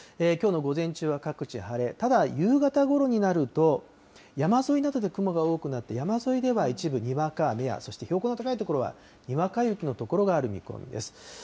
きょうの午前中は各地晴れ、ただ、夕方ごろになると、山沿いなどで雲が多くなって、山沿いでは一部にわか雨や、そして標高の高い所はにわか雪の所がある見込みです。